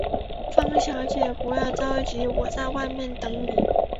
方小姐，不着急，我在外面等妳。